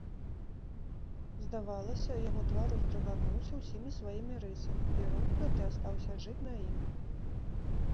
Здавалася, яго твар уздрыгануўся ўсімі сваімі рысамі, і рух гэты астаўся жыць на ім.